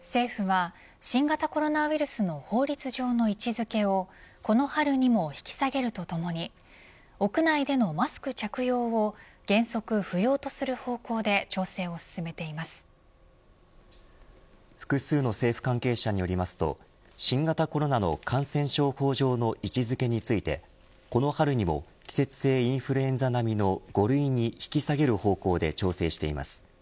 政府は、新型コロナウイルスの法律上の位置づけをこの春にも引き下げるとともに屋内でのマスク着用を原則不要とする方向で複数の政府関係者によりますと新型コロナの感染症法上の位置付けについてこの春にも季節性インフルエンザ並みの５類に引き下げる方向で調整しています。